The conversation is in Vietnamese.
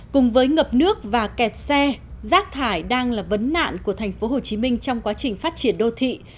cùng với ngập nước và kẹt xe rác thải đang là vấn nạn của thành phố hồ chí minh trong quá trình phát triển đô thị